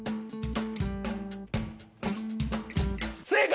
正解！